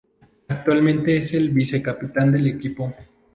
Actualmente es el vice-capitán del equipo.